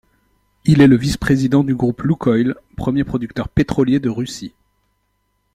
Il est le vice-président du groupe Lukoil, premier producteur pétrolier de Russie.